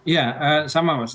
ya sama mas